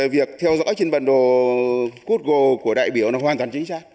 việc theo dõi trên bản đồ google của đại biểu là hoàn toàn chính xác